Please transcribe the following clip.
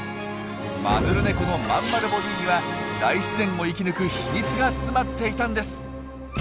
マヌルネコのまんまるボディーには大自然を生き抜く秘密が詰まっていたんです！